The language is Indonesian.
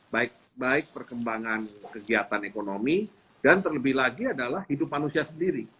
baik baik perkembangan kegiatan ekonomi dan terlebih lagi adalah hidup manusia sendiri